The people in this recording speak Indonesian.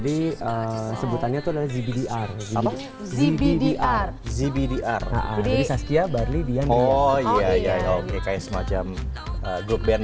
disebutannya tolong gbdr gbdr gbdr jadi saskia barli dian oh iya ya oke semacam grup band